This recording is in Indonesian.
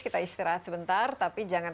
kita istirahat sebentar tapi jangan